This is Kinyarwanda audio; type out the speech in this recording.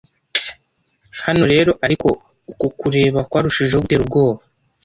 Hano rero ariko uku kureba kwarushijeho gutera ubwoba